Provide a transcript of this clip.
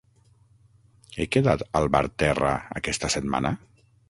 He quedat al Bar Terra aquesta setmana?